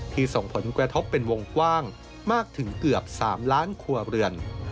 ส่งผลกระทบเป็นวงกว้างมากถึงเกือบ๓ล้านครัวเรือน